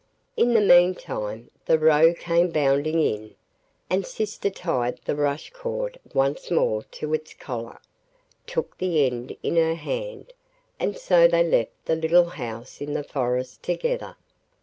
In the meantime the Roe came bounding in, and sister tied the rush cord once more to its collar, took the end in her hand, and so they left the little house in the forest together.